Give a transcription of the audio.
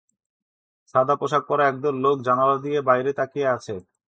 সাদা পোশাক পরা একদল লোক জানালা দিয়ে বাইরে তাকিয়ে আছে।